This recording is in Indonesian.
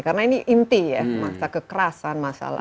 karena ini inti ya masalah kekerasan masalah